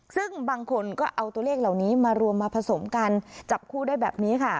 ซึ่งบางคนก็เอาตัวเลขเหล่านี้มารวมมาผสมกันจับคู่ได้แบบนี้ค่ะ